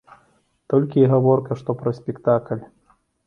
Толькі й гаворка што пра спектакль.